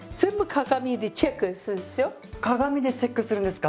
鏡でチェックするんですか。